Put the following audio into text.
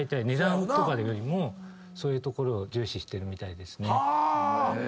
値段とかよりもそういうところを重視してるみたいですね。